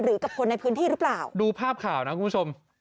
กับคนในพื้นที่หรือเปล่าดูภาพข่าวนะคุณผู้ชม